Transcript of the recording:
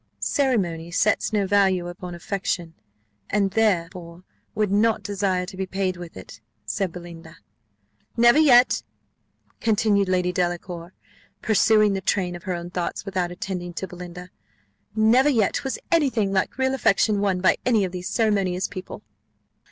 "Ceremony sets no value upon affection, and therefore would not desire to be paid with it," said Belinda. "Never yet," continued lady Delacour, pursuing the train of her own thoughts without attending to Belinda, "never yet was any thing like real affection won by any of these ceremonious people."